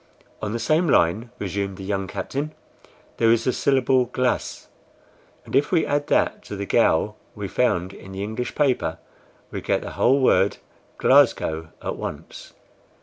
"On the same line," resumed the young captain, "there is the syllable GLAS and if we add that to the GOW we found in the English paper, we get the whole word GLASGOW at once.